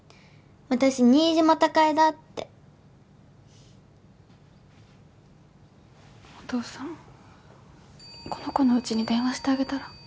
私新島貴恵だってお父さんこの子のうちに電話してあげたら？